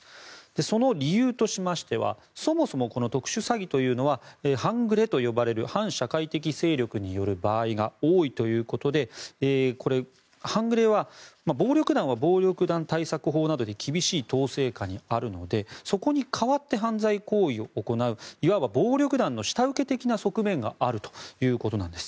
その理由としましてはそもそもこの特殊詐欺というのは半グレと呼ばれる反社会的勢力による場合が多いということでこれ、半グレは暴力団は暴力団対策法などで厳しい統制下にあるのでそこに代わって犯罪行為を行ういわば暴力団の下請け的な側面があるということです。